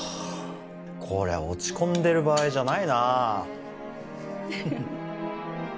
これは落ち込んでる場合じゃないな